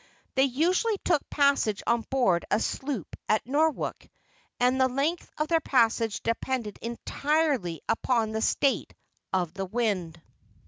They usually took passage on board a sloop at Norwalk, and the length of their passage depended entirely upon the state of the wind.